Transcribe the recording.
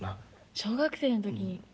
小学生の時に。